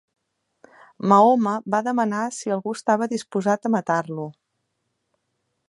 Mahoma va demanar si algú estava disposat a matar-lo.